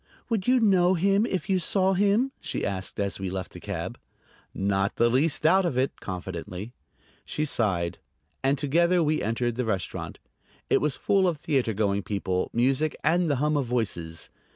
"Would you know him if you saw him?" she asked as we left the cab. "Not the least doubt of it," confidently. She sighed, and together we entered the restaurant. It was full of theater going people, music and the hum of voices.